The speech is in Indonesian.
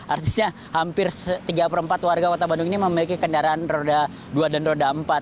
artinya hampir tiga per empat warga kota bandung ini memiliki kendaraan roda dua dan roda empat